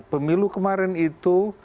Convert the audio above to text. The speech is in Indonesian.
pemilu kemarin itu